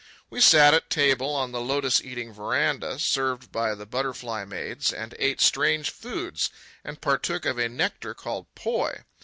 We sat at table on the lotus eating veranda, served by the butterfly maids, and ate strange foods and partook of a nectar called poi.